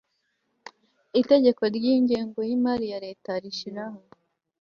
itegeko ry ingengo y imari ya leta rishyiraho